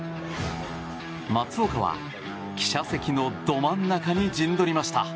松岡は記者席のど真ん中に陣取りました。